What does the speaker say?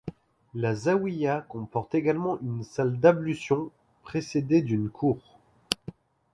La zaouïa comporte également une salle d'ablution précédée d'une cour.